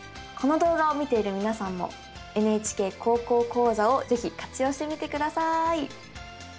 この動画を見ている皆さんも「ＮＨＫ高校講座」を是非活用してみてください。